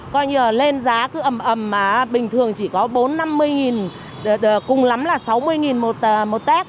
coi như là lên giá cứ ẩm ẩm mà bình thường chỉ có bốn năm mươi đồng cùng lắm là sáu mươi đồng một tét